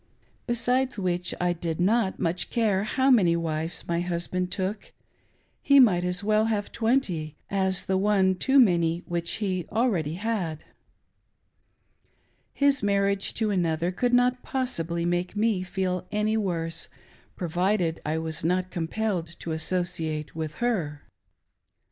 Besides which, I did not much care now how many wives my husband took, ^ Jie might as well have twenty, as the one too many which he .already had, — his marriage to another could not possibly make me feel any worse, provided I was not compelled to associate with her.